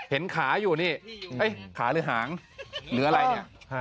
เห็นขาอยู่นี่ขาหรือหางหรืออะไรเนี่ย